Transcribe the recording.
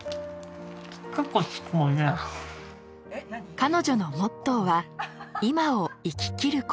彼女のモットーは今を生ききること。